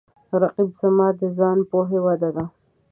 رقیب زما د ځان پوهې وده ده